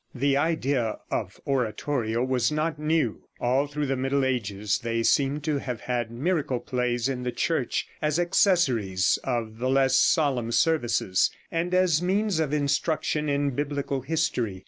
The idea of oratorio was not new. All through the Middle Ages they seem to have had miracle plays in the Church, as accessories of the less solemn services, and as means of instruction in biblical history.